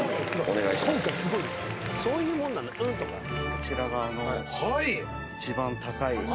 こちらが一番高い。